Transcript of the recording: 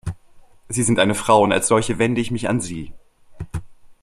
Sie sind eine Frau und als solche wende ich mich an Sie.